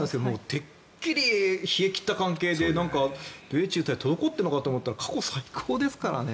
てっきり冷え切った関係で米中は滞っているのかと思ったら過去最高ですからね。